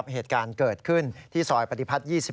เหตุการณ์เกิดขึ้นที่ซอยปฏิพัฒน์๒๑